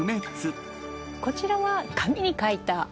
こちらは紙に書いた書道です。